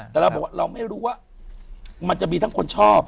แต่เราบอกว่าเราไม่รู้ว่ามันจะมีทั้งคนชอบ